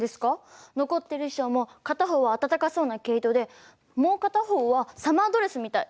残ってる衣装も片方は温かそうな毛糸でもう片方はサマードレスみたい。